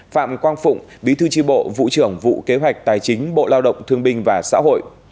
phạm quang phụng bí thư tri bộ vụ trưởng vụ kế hoạch tài chính bộ lao động thương binh và xã hội